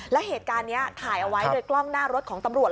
แล้วเหตุการณ์นี้ถ่ายเอาไว้โดยกล้องหน้ารถของตำรวจ